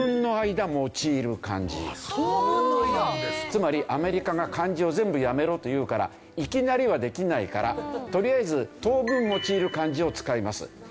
つまりアメリカが漢字を全部やめろと言うからいきなりはできないからとりあえず当分用いる漢字を使います。